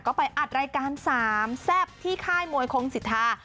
ก็ไปอัดรายการ๓แซ่บที่ค่ายมวยโครงศิษฐา